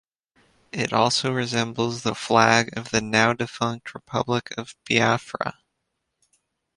It also resembles the flag of the now-defunct Republic of Biafra.